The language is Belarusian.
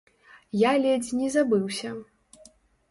Я ледзь не забыўся.